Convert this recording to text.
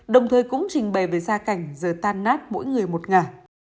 đồng thời cũng trình bày về xa cảnh giờ tan nát mỗi người một ngả